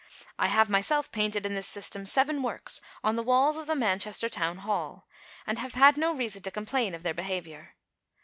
I have myself painted in this system seven works on the walls of the Manchester Town Hall, and have had no reason to complain of their behaviour.